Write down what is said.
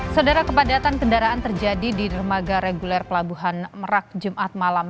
saudara kepadatan kendaraan terjadi di dermaga reguler pelabuhan merak jumat malam